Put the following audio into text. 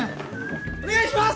お願いします！